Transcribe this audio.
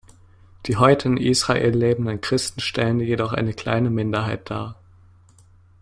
Die heute in Israel lebenden Christen stellen jedoch eine kleine Minderheit dar.